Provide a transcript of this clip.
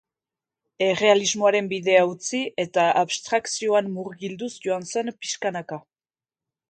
Errealismoaren bidea utzi, eta abstrakzioan murgilduz joan zen pixkanaka.